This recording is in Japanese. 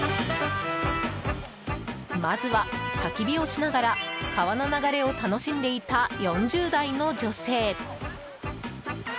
まずは、たき火をしながら川の流れを楽しんでいた４０代の女性。